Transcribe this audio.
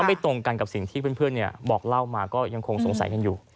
ไม่ตรงกันกับสิ่งที่เพื่อนบอกเล่ามาก็ยังคงสงสัยกันอยู่